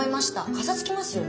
カサつきますよね。